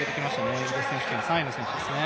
イギリス選手権３位の選手ですね。